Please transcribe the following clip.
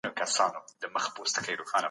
د پیغمبر په لارښوونو کي خیر دی.